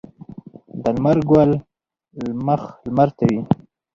د لمر ګل مخ لمر ته وي